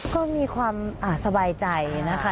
ก็มีความสบายใจนะคะ